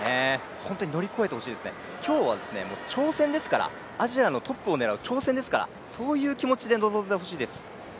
本当に乗り越えてほしいですね、今日は挑戦ですから、アジアのトップを狙う挑戦ですから、そういう気持ちで臨んでほしいです。